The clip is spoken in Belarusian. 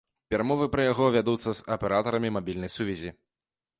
Перамовы пра яго вядуцца з аператарамі мабільнай сувязі.